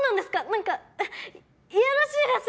何かいやらしいです！